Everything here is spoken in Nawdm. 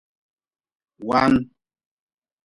Waan.